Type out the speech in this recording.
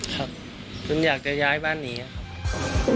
ครับจนอยากจะย้ายบ้านหนีครับ